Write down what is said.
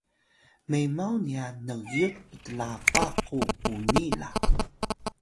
memaw niya ngyut mtlapa ku puni la